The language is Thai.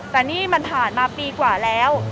แต่นี่มันผ่านมาปีกว่าแล้ว